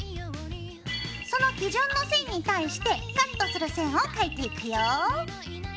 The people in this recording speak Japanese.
その基準の線に対してカットする線を描いていくよ。